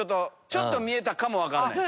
ちょっと見えたかも分かんない。